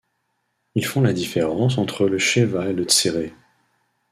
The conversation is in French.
Ils font la différence entre le Sheva et le Tséré.